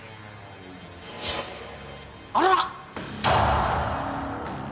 あら！？